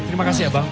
terima kasih abang